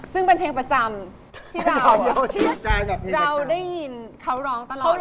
ซึ่งเป็นเพลงประจำที่เราได้ยินเขาร้องตลอด